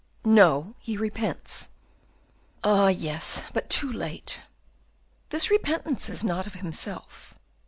"No, he repents." "Ah yes! but too late." "This repentance is not of himself."